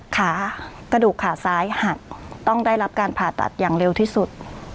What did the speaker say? ขากระดูกขาซ้ายหักต้องได้รับการผ่าตัดอย่างเร็วที่สุด